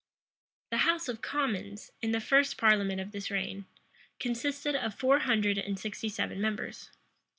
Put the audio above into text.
The house of commons, in the first parliament of this reign, consisted of four hundred and sixty seven members.